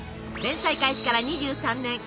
連載開始から２３年。